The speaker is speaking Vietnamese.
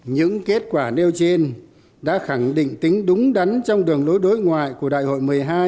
những kết quả nêu trên đã khẳng định tính đúng đắn trong đường lối đối ngoại của đại hội một mươi hai